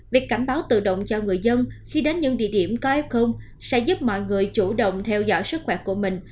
việc cảnh báo tự động cho người dân khi đến những địa điểm có f sẽ giúp mọi người chủ động theo dõi sức khỏe của mình